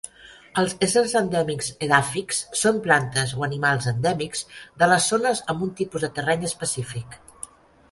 Els éssers endèmics edàfics són plantes o animals endèmics de les zones amb un tipus de terreny específic.